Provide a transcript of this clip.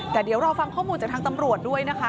แต่เดี๋ยวรอฟังข้อมูลจากทางตำรวจด้วยนะคะ